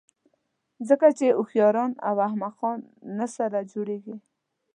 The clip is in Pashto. ځکه چې هوښیاران او احمقان نه سره جوړېږي.